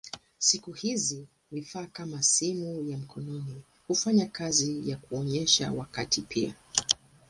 Siku hizi vifaa kama simu ya mkononi hufanya kazi ya kuonyesha wakati pia.